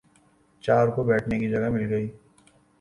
چار کو بیٹھنے کی جگہ مل گئی